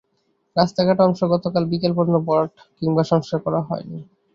রাস্তার কাটা অংশ গতকাল বিকেল পর্যন্তও ভরাট কিংবা সংস্কার করা হয়নি।